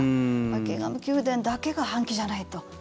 バッキンガム宮殿だけが半旗じゃないと。